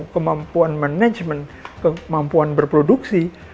kemampuan manajemen kemampuan berproduksi